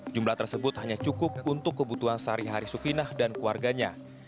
jumlah tersebut hanya cukup untuk kebutuhan sehari hari sukinah dan keluarganya